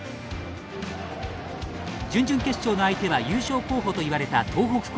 準々決勝の相手は優勝候補といわれた東北高校。